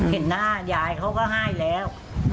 เห็นหน้ายายเขาก็ให้แล้ว